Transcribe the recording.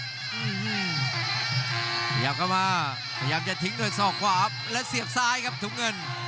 พยายามเข้ามาพยายามจะทิ้งด้วยศอกขวาและเสียบซ้ายครับถุงเงิน